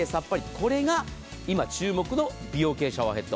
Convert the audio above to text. これが今、注目の美容系シャワーヘッド。